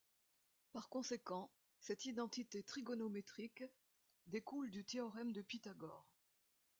Par conséquent, cette identité trigonométrique découle du théorème de Pythagore.